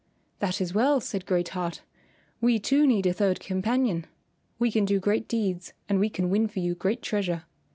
"That is well," said Great Heart, "we two need a third companion. We can do great deeds and we can win for you great treasure."